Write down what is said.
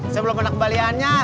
sebelum kena kembaliannya